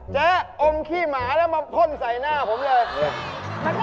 อมขี้หมาแล้วมาพ่นใส่หน้าผมเลย